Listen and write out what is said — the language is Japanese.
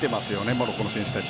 モロッコの選手たち。